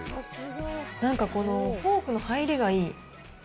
なんかこのフォークの入りがいい。